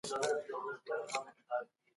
ټولني به له پخوا څخه د برابرۍ غوښتنه کړي وي.